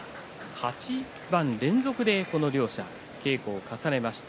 ８番連続でこの両者、稽古を重ねました。